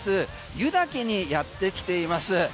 湯滝にやってきています。